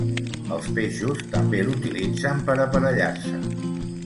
Els peixos també l'utilitzen per aparellar-se.